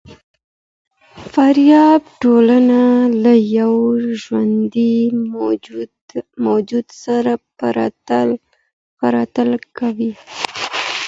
فارابي ټولنه له يوه ژوندي موجود سره پرتله کوي.